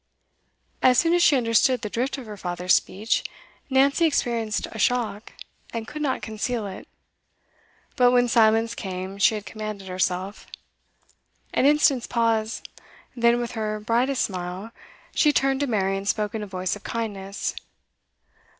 As soon as she understood the drift of her father's speech, Nancy experienced a shock, and could not conceal it. But when silence came, she had commanded herself. An instant's pause; then, with her brightest smile, she turned to Mary and spoke in a voice of kindness.